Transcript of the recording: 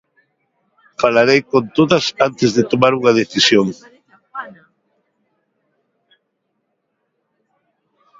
Falarei con todas antes de tomar unha decisión.